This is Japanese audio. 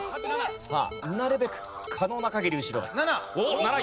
さあなるべく可能な限り後ろへ。